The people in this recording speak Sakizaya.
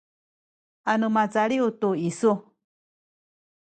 anu macaliw tu isu